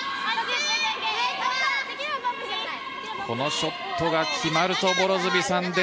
このショットが決まると両角さん